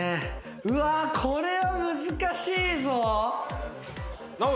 うわこれは難しいぞ。